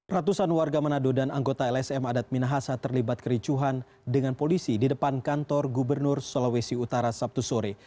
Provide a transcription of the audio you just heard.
ratusan warga manado dan anggota lsm adat minahasa terlibat kericuhan dengan polisi di depan kantor gubernur sulawesi utara sabtu sore